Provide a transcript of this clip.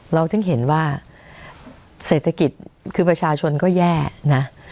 เราถึงเห็นว่าเศรษฐกิจคือประชาชนก็แย่นะ